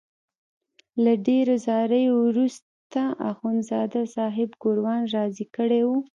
له ډېرو زاریو وروسته اخندزاده صاحب ګوروان راضي کړی وو.